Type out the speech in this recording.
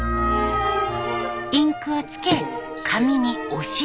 インクをつけ紙に押し当てます。